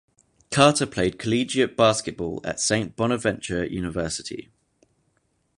Carter played collegiate basketball at Saint Bonaventure University.